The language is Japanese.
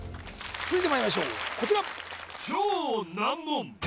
続いてまいりましょうこちら